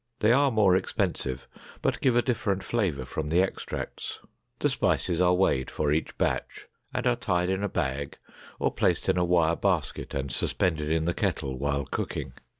They are more expensive, but give a different flavor from the extracts. The spices are weighed for each batch and are tied in a bag or placed in a wire basket and suspended in the kettle while cooking.